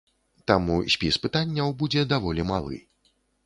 Таму спіс пытанняў будзе даволі малы.